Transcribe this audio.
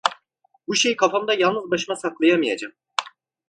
Bu şeyi kafamda yalnız başıma saklayamayacağım.